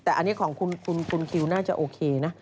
แต่อันนี้ของคุณคิวน่าจะโอเคนะ